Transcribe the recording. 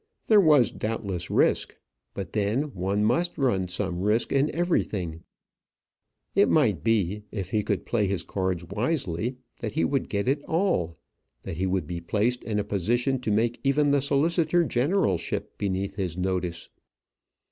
There was doubtless risk; but then one must run some risk in everything, It might be, if he could play his cards wisely, that he would get it all that he would be placed in a position to make even the solicitor generalship beneath his notice.